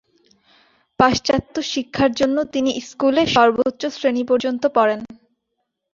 পাশ্চাত্য শিক্ষার জন্য তিনি স্কুলে সর্বোচ্চ শ্রেণি পর্যন্ত পড়েন।